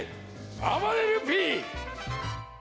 あばれるＰ！